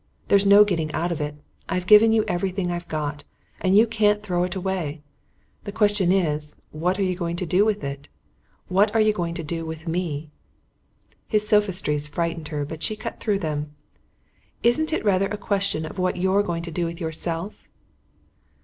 There's no getting out of it. I've given you everything I've got, and you can't throw it away. The question is what are you going to do with it? What are you going to do with me?" His sophistries frightened her; but she cut through them. "Isn't it rather a question of what you're going to do with yourself?"